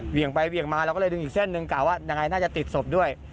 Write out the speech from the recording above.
ไปเหวี่ยงมาเราก็เลยดึงอีกเส้นหนึ่งกล่าวว่ายังไงน่าจะติดศพด้วย